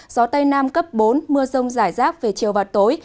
gió tây nam cấp bốn mưa rông rải rác về chiều và tối